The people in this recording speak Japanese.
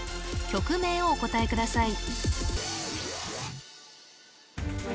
曲名をお答えください